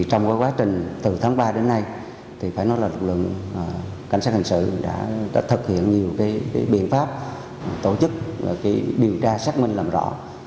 trong quá trình từ tháng ba đến nay lực lượng cảnh sát hình sự đã thực hiện nhiều biện pháp tổ chức điều tra xác minh làm rõ